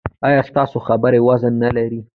ایا ستاسو خبره وزن نلري؟